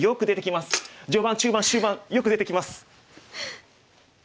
序盤中盤終盤よく出てきます。